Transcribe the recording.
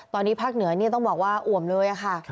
ตอนนี้ภาคเหนือต้องบอกว่าอ่วมเลยค่ะ